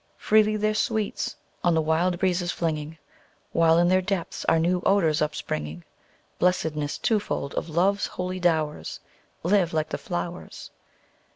Freely their sweets on the wild breezes flinging, While in their depths are new odors upspringing: (Blessedness twofold of Love's holy dowers,) Live like the flowers!